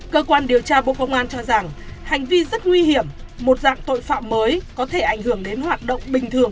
cơ quan điều tra bộ công an cho rằng hành vi rất nguy hiểm một dạng tội phạm mới có thể ảnh hưởng đến hoạt động bình thường